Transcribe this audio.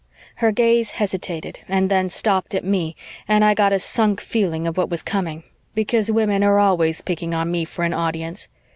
Her gaze hesitated and then stopped at me and I got a sunk feeling of what was coming, because women are always picking on me for an audience.